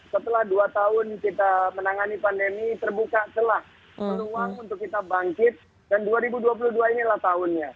setelah dua tahun kita menangani pandemi terbuka telah peluang untuk kita bangkit dan dua ribu dua puluh dua inilah tahunnya